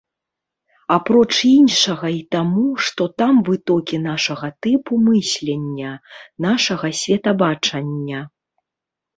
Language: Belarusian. Апроч іншага і таму, што там вытокі нашага тыпу мыслення, нашага светабачання.